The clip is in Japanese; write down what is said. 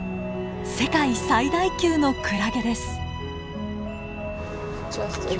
世界最大級のクラゲです。